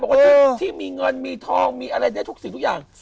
ปกปรุงสิ่งที่มีเงินมีทองมีอะไรแบบนี้ทุกสิ่งทุกอย่าง